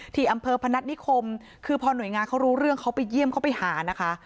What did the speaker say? ที่อำเภอพนัฐนิคมคือพอหน่วยงานเขารู้เรื่องเขาไปเยี่ยมเขาไปหานะคะ